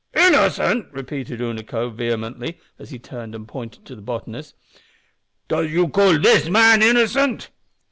"Innocent!" repeated Unaco, vehemently, as he turned and pointed to the botanist. "Does you call this man innocent?"